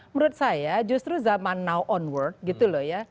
menurut saya justru zaman now onward gitu loh ya